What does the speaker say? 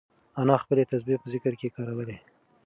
انا خپلې تسبیح په ذکر کې کارولې.